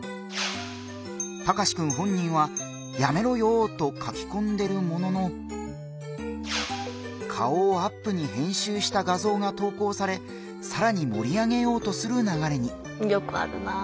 タカシくん本人は「やめろよー」と書きこんでるものの顔をアップに編集した画像が投稿されさらに盛り上げようとするながれに。